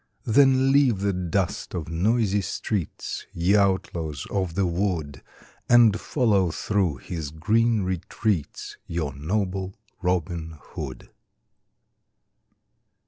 Then leave the dust of noisy streets, Ye outlaws of the wood, And follow through his green retreats Your noble Robin Hood.